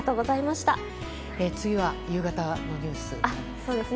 次は夕方のニュースですね。